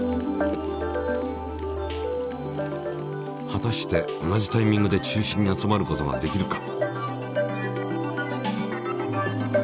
はたして同じタイミングで中心に集まることができるか。